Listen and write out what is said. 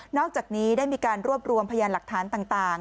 อกจากนี้ได้มีการรวบรวมพยานหลักฐานต่าง